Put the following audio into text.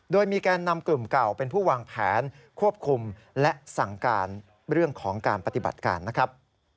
โดยมีแกนนำกลุ่มเก่าเป็นผู้วางแผนควบคุมและสั่งการเรื่องของการปฏิบัติการนะครับ